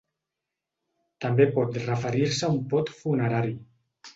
També pot referir-se a un pot funerari.